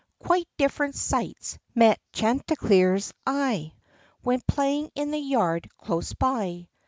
Quite different sights met Chanticleer's eye, When playing in the yard close by.